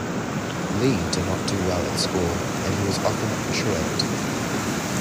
Lee did not do well at school, and he was often truant.